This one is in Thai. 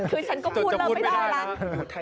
คือฉันก็พูดเลิกไม่ได้แล้ว